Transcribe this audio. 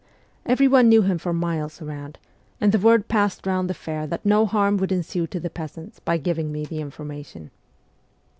Everyone knew him for miles round, and the word passed round the fail that no harm would ensue to the peasants by giving me the information.